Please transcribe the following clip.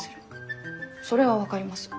それは分かります。